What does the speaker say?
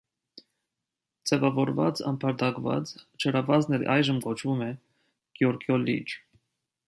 Ձևավորված ամբարտակված ջրավազանն էլ այժմ կոչվում է Գյոյգյոլ լիճ։